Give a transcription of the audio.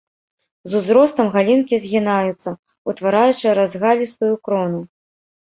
З узростам галінкі згінаюцца, утвараючы разгалістую крону.